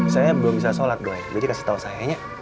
saya belum bisa sholat doi jadi kasih tau sayanya